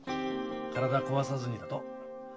「体壊さずに」だと。